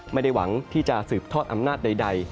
ไม่ได้หวังที่จะสืบทอดอำนาจใด